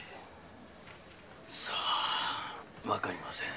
さわかりません。